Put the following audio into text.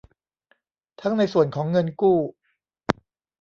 ทั้งในส่วนของเงินกู้